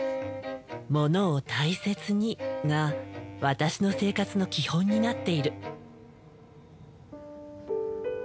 「ものを大切に」が私の生活の基本になっている。